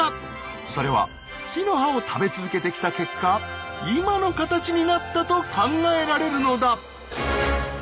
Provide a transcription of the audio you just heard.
それは木の葉を食べ続けてきた結果今の形になったと考えられるのだ。